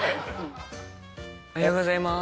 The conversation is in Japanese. おはようございます。